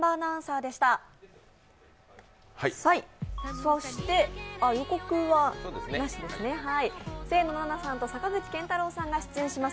そして予告はなしですね、清野菜名さんと坂口健太郎さんが出演します